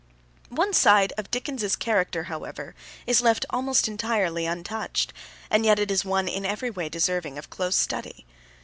One side of Dickens's character, however, is left almost entirely untouched, and yet it is one in every way deserving of close study.